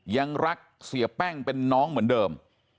ยังรักเสียแป้งเป็นน้องเหมือนเดิม